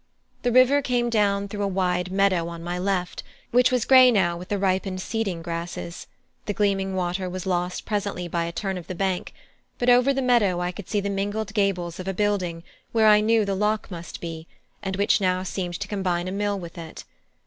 The river came down through a wide meadow on my left, which was grey now with the ripened seeding grasses; the gleaming water was lost presently by a turn of the bank, but over the meadow I could see the mingled gables of a building where I knew the lock must be, and which now seemed to combine a mill with it.